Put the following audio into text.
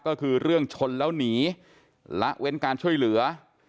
ก็คือเรื่องชนแล้วหนีละเว้นการช่วยเหลือ